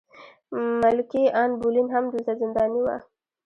ملکې ان بولین هم دلته زنداني وه.